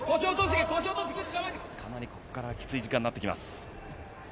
かなり、ここからきつい時間になってきます。